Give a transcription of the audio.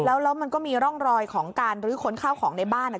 แล้วมันก็มีร่องรอยของการลื้อค้นข้าวของในบ้านอ่ะ